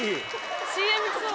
ＣＭ来そう。